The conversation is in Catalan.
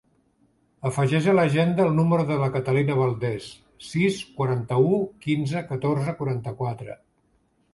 Afegeix a l'agenda el número de la Catalina Valdes: sis, quaranta-u, quinze, catorze, quaranta-quatre.